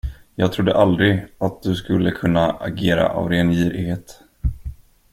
Jag trodde aldrig att du skulle kunna agera av ren girighet.